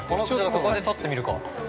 ここで撮ってみるか。